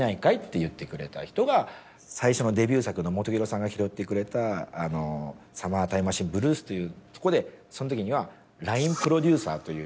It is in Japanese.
最初のデビュー作の本広さんが拾ってくれた『サマータイムマシン・ブルース』というとこでそのときにはラインプロデューサーという。